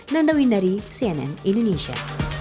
nanda windari cnn indonesia